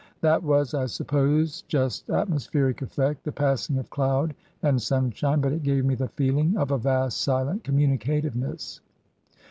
That was, I suppose, just atmospheric effect — ^the passing of cloud and sunshine. But it gave me the feeling of a vast silent communicativeness."